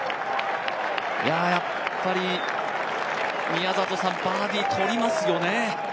やっぱりバーディー、取りますよね